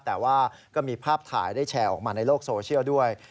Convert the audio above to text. แต่ว่าก็มีภาพถ่ายได้แชร์ออกมาในโลกโซเชียลด้วย